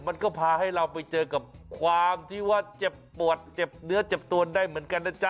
มันก็พาให้เราไปเจอกับความที่ว่าเจ็บปวดเจ็บเนื้อเจ็บตัวได้เหมือนกันนะจ๊